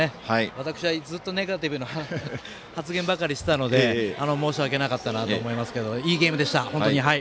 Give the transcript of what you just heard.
私は、ずっとネガティブな発言ばかりしていたので申し訳なかったなと思いますがいいゲームでした、本当に。